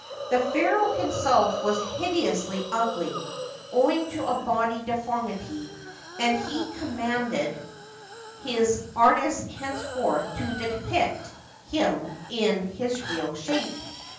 The pharaoh himself was hideously ugly, owing to a bodily deformity, and he commanded his artists henceforth to depict him in his real shape.